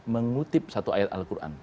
mengutip satu ayat al quran